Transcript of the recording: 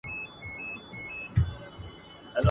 چي قدرت و ښځه ته د ښکلا او ښايست